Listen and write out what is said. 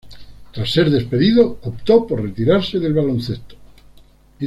Tras ser despedido, optó por retirarse del baloncesto.